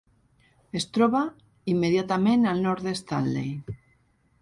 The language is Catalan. Es troba immediatament al nord de Stanley.